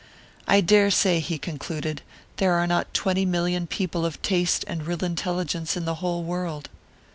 'I dare say,' he concluded, 'there are not twenty million people of taste and real intelligence in the whole world.